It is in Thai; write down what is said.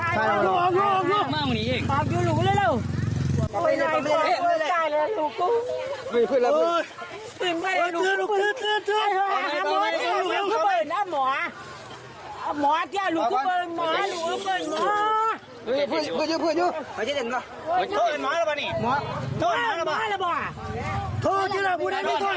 โทรมาละบ่าโทรจิลละพูดได้ไม่โทรแถมก่อนโทรอยู่